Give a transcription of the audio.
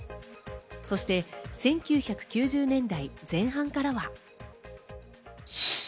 そして１９９０年代前半からは。